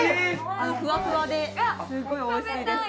ふわふわですごいおいしいです。